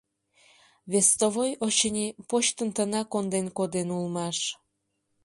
Вестовой, очыни, почтым тына конден коден улмаш.